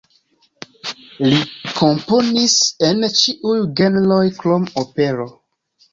Li komponis en ĉiuj genroj krom opero.